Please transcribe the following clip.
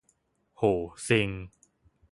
โหเซ็ง